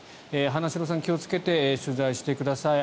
花城さん気をつけて取材してください。